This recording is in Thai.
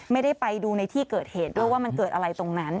ไม่ได้ไปดูในที่เกิดเหตุด้วยว่ามันเกิดอะไรตรงนั้น